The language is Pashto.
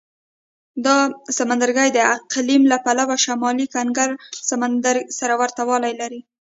دا سمندرګي د اقلیم له پلوه شمال کنګل سمندر سره ورته والی لري.